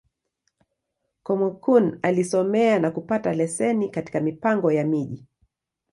Kúmókụn alisomea, na kupata leseni katika Mipango ya Miji.